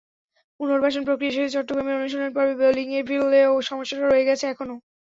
পুনর্বাসন-প্রক্রিয়া শেষে চট্টগ্রামের অনুশীলন পর্বে বোলিংয়ে ফিরলেও সমস্যাটা রয়ে গেছে এখনো।